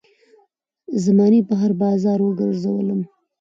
زمانې په هـــــر بازار وګرځــــــــــولم